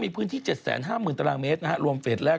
มีพื้นที่๗๕๐๐๐๐ตารางเมตรนะฮะ